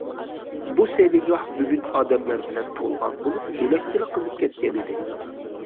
بۇ سەيلىگاھ بۈگۈن ئادەملەر بىلەن تولغان بولۇپ، بۆلەكچىلا قىزىپ كەتكەنىدى.